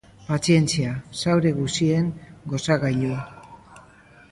Pazientzia, zauri guzien gozagailu.